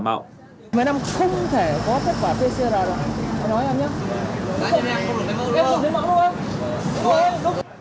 mấy năm không thể có kết quả